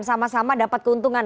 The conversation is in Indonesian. sama sama dapat keuntungan